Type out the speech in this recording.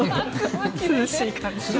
涼しい感じです。